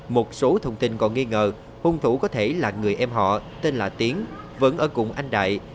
một số thông tin còn nghi ngờ hung thủ có thể là người em họ tên là tiến vẫn ở cùng anh đại